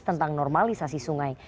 tentang normalisasi sungai